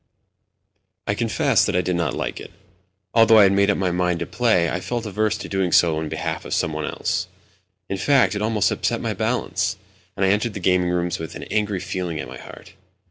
II I confess I did not like it. Although I had made up my mind to play, I felt averse to doing so on behalf of some one else. In fact, it almost upset my balance, and I entered the gaming rooms with an angry feeling at my heart.